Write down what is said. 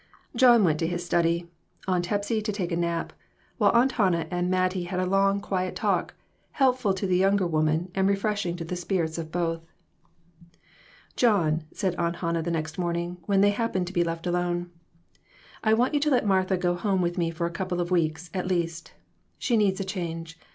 John went to his study, Aunt Hepsy to take a nap, while Aunt Hannah and Mattie had a long, quiet talk, helpful to the younger woman and refreshing to the spirits of both. "John," said Aunt Hannah the next morning, when they happened to be left alone, "I want you to let Martha go home with me for a couple of weeks, at least. She needs a change.